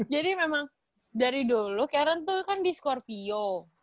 jadi memang dari dulu karen tuh kan di skorpio